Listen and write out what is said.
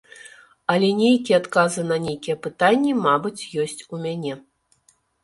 Але нейкія адказы на нейкія пытанні, мабыць, ёсць у мяне.